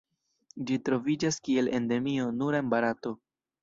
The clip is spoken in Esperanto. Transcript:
Ĝi troviĝas kiel Endemio nur en Barato.